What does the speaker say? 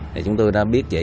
thì chúng tôi đã biết vậy